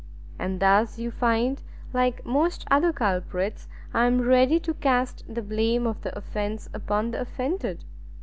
And thus, you find, like most other culprits, I am ready to cast the blame of the offence upon the offended.